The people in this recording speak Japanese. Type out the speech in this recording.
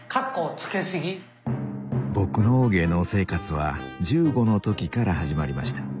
僕の芸能生活は１５の時から始まりました。